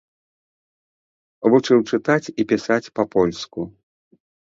Вучыў чытаць і пісаць па-польску.